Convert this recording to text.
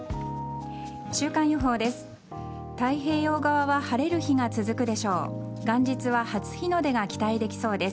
週間予報です。